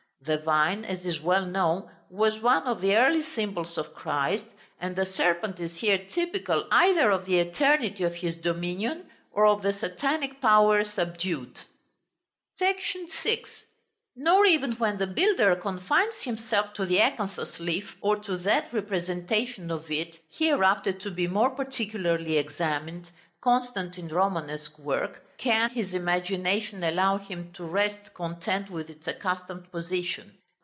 The vine, as is well known, was one of the early symbols of Christ, and the serpent is here typical either of the eternity of his dominion, or of the Satanic power subdued. [Illustration: FIG. 1.] § VI. Nor even when the builder confines himself to the acanthus leaf (or to that representation of it, hereafter to be more particularly examined, constant in Romanesque work) can his imagination allow him to rest content with its accustomed position.